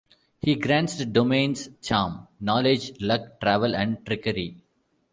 He grants the domains Charm, Knowledge, Luck, Travel and Trickery.